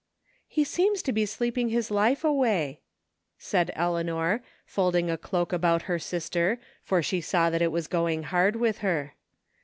"He seems to be sleeping his life away,'' said Eleanor, folding a cloak about her sister, for she saw that it was going hard with her.